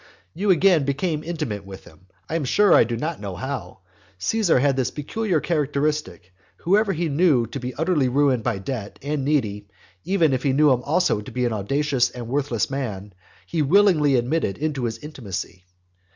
You again became intimate with him; I am sure I do not know how. Caesar had this peculiar characteristic; whoever he knew to be utterly ruined by debt, and needy, even if he knew him also to be an audacious and worthless man, he willingly admitted him to his intimacy.